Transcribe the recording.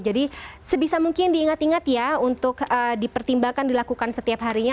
jadi sebisa mungkin diingat ingat ya untuk dipertimbangkan dilakukan setiap harinya